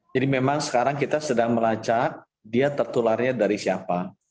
jadi memang sekarang kita sedang melacak dia tertularnya dari siapa